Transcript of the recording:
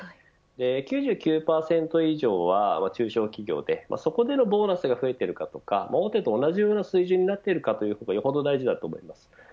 ９９％以上は中小企業でそこでのボーナスが増えているかとか大手と同じような水準になってるかというのがよほど大事だと思います。